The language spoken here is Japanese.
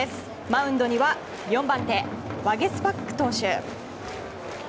マウンドには４番手、ワゲスパック投手。